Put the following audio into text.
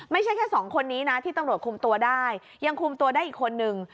ไม่ใช่แค่สองคนนี้นะที่ตำรวจคุมตัวได้ยังคุมตัวได้อีกคนนึง